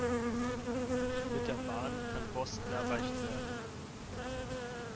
Mit der Bahn kann Boston erreicht werden.